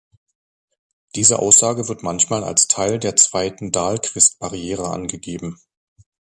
Diese Aussage wird manchmal als Teil der zweiten Dahlquist-Barriere angegeben.